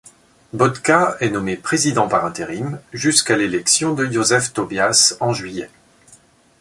Botka est nommé président par intérim jusqu'à l'élection de József Tóbiás en juillet.